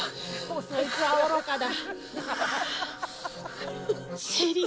そいつは愚かだ。